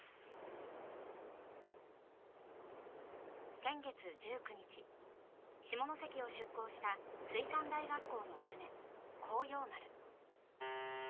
先月１９日、下関を出港した水産大学校の船「耕洋丸」。